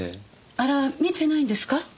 あら見てないんですか？